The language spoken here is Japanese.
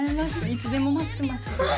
いつでも待ってます